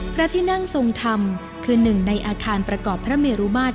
พระที่นั่งทรงธรรมคือหนึ่งในอาคารประกอบพระเมรุมาตร